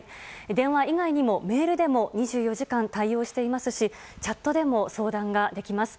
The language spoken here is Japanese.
電話以外にもメールでも２４時間対応していますしチャットでも相談ができます。